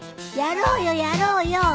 やろうよやろうよ。